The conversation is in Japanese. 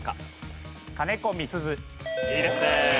いいですね。